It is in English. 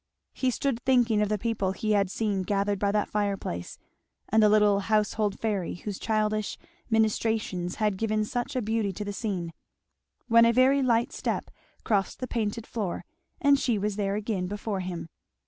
He stood thinking of the people he had seen gathered by that fireplace and the little household fairy whose childish ministrations had given such a beauty to the scene, when a very light step crossed the painted floor and she was there again before him.